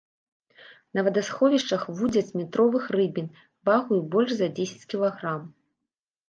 На водасховішчах вудзяць метровых рыбін вагою больш за дзесяць кілаграм.